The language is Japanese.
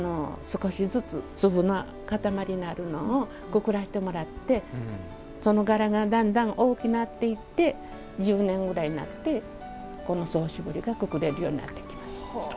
それで少しずつ粒の固まりのあるのをくくらせてもらってその柄が、だんだん大きくなっていって１０年ぐらいになって総絞りがくくれるようになってきます。